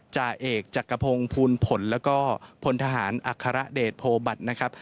จาเอกจักรพงศ์พูลผลและพลทหารอัคคาระเดชโพบัตร